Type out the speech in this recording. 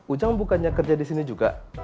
ujang bukannya kerja disini juga